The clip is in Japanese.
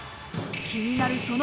［気になるその］